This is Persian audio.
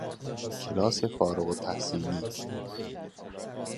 کلاس فارغ التحصیلی